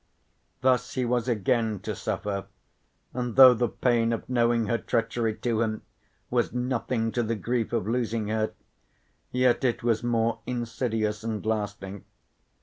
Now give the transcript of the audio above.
Thus he was again to suffer, and though the pain of knowing her treachery to him was nothing to the grief of losing her, yet it was more insidious and lasting.